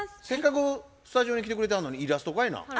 せっかくスタジオに来てくれてはんのにイラストかいな？